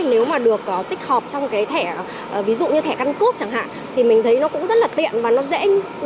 nếu mà được tích hợp trong cái thẻ ví dụ như thẻ căn cước chẳng hạn thì mình thấy nó cũng rất là tiện và nó dễ